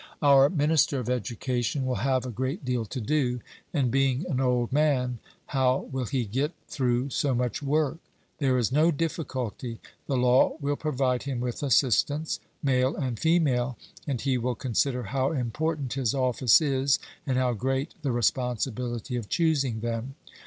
Our minister of education will have a great deal to do; and being an old man, how will he get through so much work? There is no difficulty; the law will provide him with assistants, male and female; and he will consider how important his office is, and how great the responsibility of choosing them.